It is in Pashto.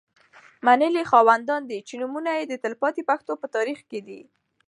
منلي خاوندان دي. چې نومونه یې د تلپا تي پښتو په تاریخ کي